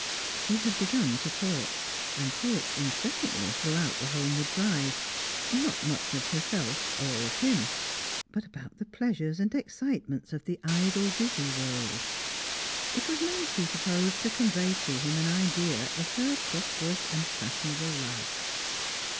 She had begun to talk, and talked incessantly throughout the homeward drive; not much of herself, or of him, but about the pleasures and excitements of the idle busy world. It was meant, he supposed, to convey to him an idea of her prosperous and fashionable life.